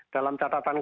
dalam catatan karakter